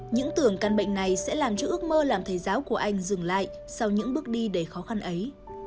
những tưởng căn bệnh này sẽ làm cho ước mơ làm thầy giáo của anh dừng lại sau những bước đi đầy khó khăn ấy